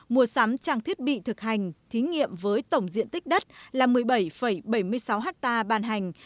mua sắm trang thiết bị thực hành thí nghiệm với tổng diện tích đất là một mươi bảy bảy mươi sáu ha bàn hành